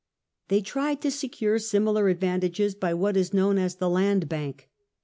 They tried to secure similar advantages by what is known as the Land Bank.